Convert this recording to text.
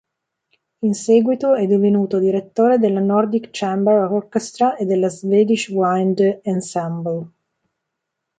In seguito è divenuto direttore della Nordic Chamber Orchestra e della Swedish Wind Ensemble.